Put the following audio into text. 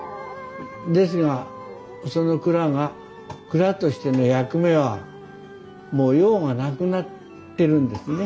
ですがその蔵が蔵としての役目はもう用がなくなってるんですね。